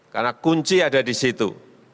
karena kunci ada di situ